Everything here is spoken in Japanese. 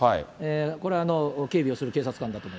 これ、警備をする警察官だと思い